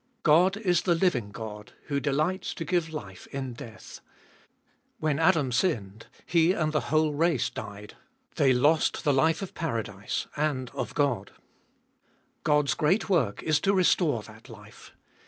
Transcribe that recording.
God is the living God, who delights to give life in death. When Adam sinned, he and the whole race died ; they 442 Gbe Doliest of lost the life of paradise and of God. God's great work is to restore that life.